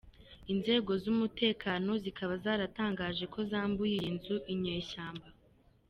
Inzego z’umutekano zikaba zaratangaje ko zambuye iyi nzu inyeshyamba.